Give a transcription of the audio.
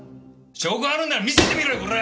証拠があるなら見せてみろよコラ！